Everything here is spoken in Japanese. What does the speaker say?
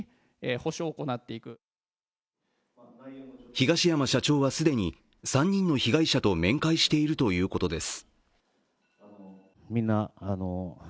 東山社長は既に、３人の被害者と面会しているということです。